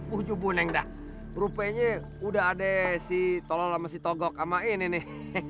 ujubun eng dah rupanya udah ada si tolong masih togok ama ini nih